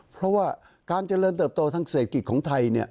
เพราะว่าการเจริญเติบโตทางเศรษฐกิจของไทยเนี่ย